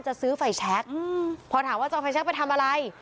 จะซื้อไฟแชคพอถามว่าจะเอาไฟแชคไปทำอะไร